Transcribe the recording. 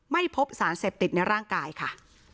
ไม่พบสารเสพติดในร่างกายค่ะ